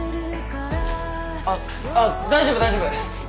あっ大丈夫大丈夫。